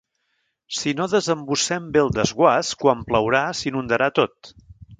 Si no desembussem bé el desguàs, quan plourà s'inundarà tot.